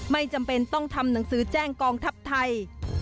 ไม่จำเป็นต้องทำหนังสือแจ้งกองทัพไทย